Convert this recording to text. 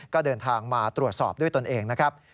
ก็เดินทางมาตรวจสอบด้วยตนเองนะครับ